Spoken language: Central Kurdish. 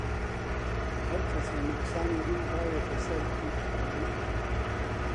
هەر کەسێ نوقسانی ڕووی باوێتە سەر ڕووی ئاینە